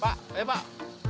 pak eh pak